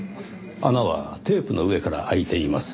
穴はテープの上から開いています。